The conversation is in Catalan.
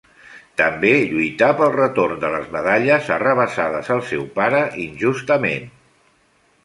També lluità pel retorn de les medalles arrabassades al seu pare injustament.